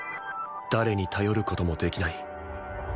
誰に頼る事もできない